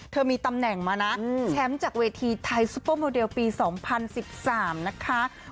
เธอมีตำแหน่งมานะแชมพ์จากเวทีไทยซูเปอร์โมเดลปีสองพันสิบสามนะคะ